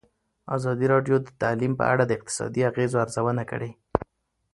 ازادي راډیو د تعلیم په اړه د اقتصادي اغېزو ارزونه کړې.